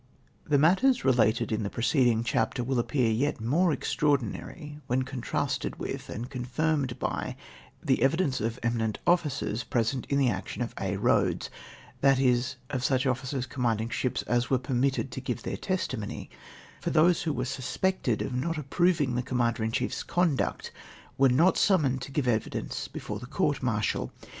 The matters related in the preceding chapter will appear yet more extraordinary wlien contrasted with, and confirmed b}", the evidence of eminent officers present in the action of Aix Eoads ; that is, of sncli officers C(3mmanding ships as were permitted to give their testimony, for those who Avere snspected of not approving the Commander in chief's condnct, icere not sunnnoned to give evidence before the court martial!